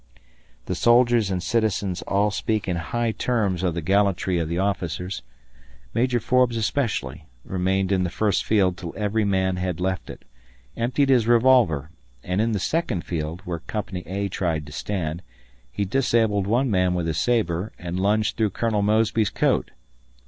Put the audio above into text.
The soldiers and citizens all speak in high terms of the gallantry of the officers; Major Forbes especially remained in the first field till every man had left it, emptied his revolver, and, in the second field, where Company A tried to stand, he disabled one man with his sabre, and lunged through Colonel Mosby's coat.